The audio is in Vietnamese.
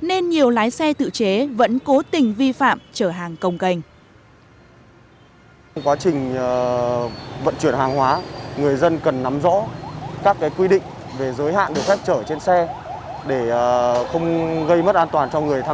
nên nhiều lái xe tự chế vẫn cố tình vi phạm chở hàng công canh